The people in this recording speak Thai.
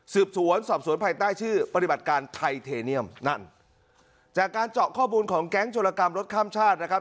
สวนสอบสวนภายใต้ชื่อปฏิบัติการไทเทเนียมนั่นจากการเจาะข้อมูลของแก๊งโจรกรรมรถข้ามชาตินะครับ